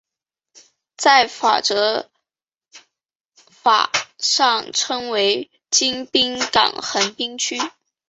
在港则法上称为京滨港横滨区。